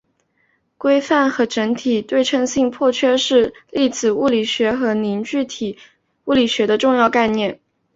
规范和整体对称性破缺是粒子物理学和凝聚体物理学的重要概念。